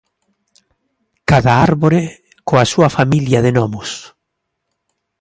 Cada árbore coa súa familia de gnomos.